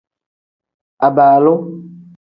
Abaalu.